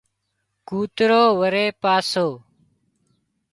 ڪوترو وري پاسو